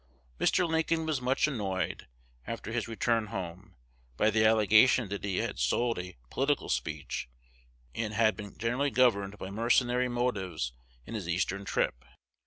Mr. Lincoln was much annoyed, after his return home, by the allegation that he had sold a "political speech," and had been generally governed by mercenary motives in his Eastern trip.